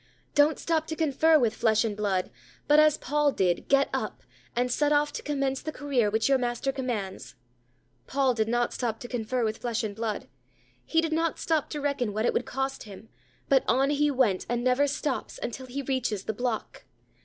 Don't stop to confer with flesh and blood, but, as Paul did, get up, and set off to commence the career which your Master commands. Paul did not stop to confer with flesh and blood. He did not stop to reckon what it would cost him, but on he went, and never stops, until he reaches the block.